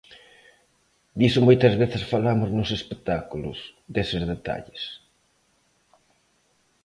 Diso moitas veces falamos nos espectáculos, deses detalles.